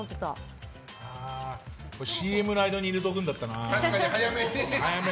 ＣＭの間に入れておくんだったな。